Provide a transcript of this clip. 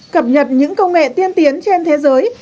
cập nhật những công nghệ tiên tiến trên thế giới